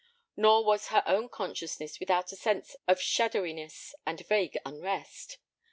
Nor was her own consciousness without a sense of shadowiness and vague unrest.